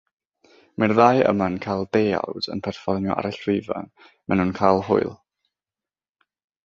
Mae'r ddau yma'n cael deuawd yn perfformio ar y llwyfan, Maen nhw'n cael hwyl.